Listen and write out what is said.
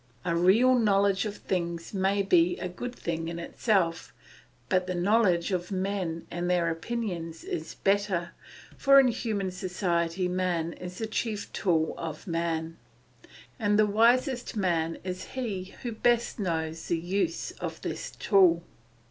A real knowledge of things may be a good thing in itself, but the knowledge of men and their opinions is better, for in human society man is the chief tool of man, and the wisest man is he who best knows the use of this tool.